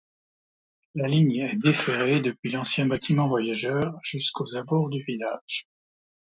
La ligne est déferrée depuis l'ancien bâtiment voyageurs jusqu'aux abords du village.